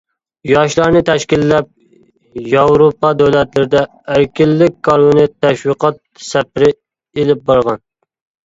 ياشلارنى تەشكىللەپ ياۋروپا دۆلەتلىرىدە ئەركىنلىك كارۋىنى تەشۋىقات سەپىرى ئىلىپ بارغان.